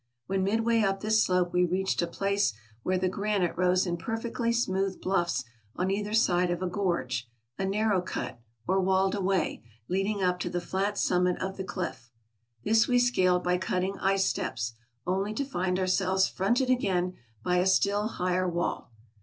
When midway up this slope we reached a place where the granite rose in perfectly smooth bluffs on either side of a gorge — a narrow cut, or walled way, leading up to the fiat summit of the cliff. This we scaled by cutting ice steps, only to find ourselves fronted again by a still higher wall.